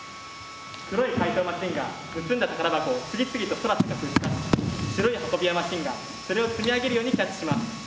黒い怪盗マシンが盗んだ宝箱を次々と空高くうち出し白い運び屋マシンがそれを積み上げるようにキャッチします。